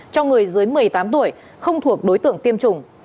cho người dưới một mươi tám tuổi không thuộc đối tượng tiêm chủng